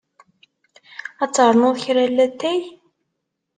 Ad ternuḍ kra n lattay?